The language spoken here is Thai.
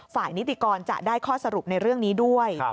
นิติกรจะได้ข้อสรุปในเรื่องนี้ด้วย